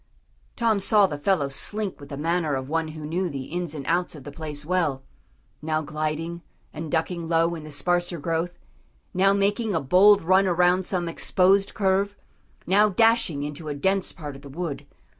Tom saw the fellow slink with the manner of one who knew the ins and outs of the place well, now gliding, and ducking low in the sparser growth, now making a bold run around some exposed curve, now dashing into a dense part of the wood.